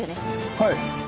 はい。